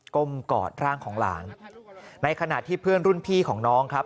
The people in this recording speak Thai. ้มกอดร่างของหลานในขณะที่เพื่อนรุ่นพี่ของน้องครับ